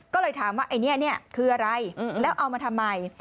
ก็เลยถามว่าไอ้นี่คืออะไรแล้วเอามาทำไม